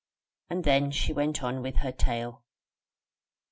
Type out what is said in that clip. Then she went on with her tale.